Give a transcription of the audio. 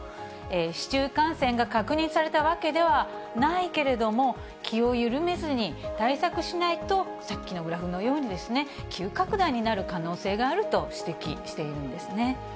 市中感染が確認されたわけではないけれども、気を緩めずに対策しないと、さっきのグラフのように、急拡大になる可能性があると指摘しているんですね。